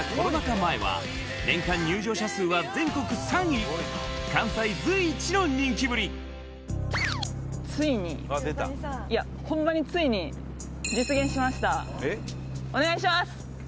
前は年間入場者数は全国３位関西随一の人気ぶりいやホンマについにお願いします！